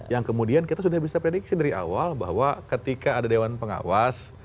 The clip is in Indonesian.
yang kemudian kita sudah bisa prediksi dari awal bahwa ketika ada dewan pengawas